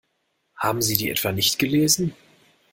Haben Sie die etwa nicht gelesen?